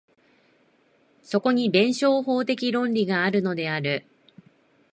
そこに弁証法的論理があるのである。